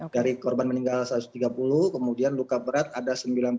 dari korban meninggal satu ratus tiga puluh kemudian luka berat ada sembilan puluh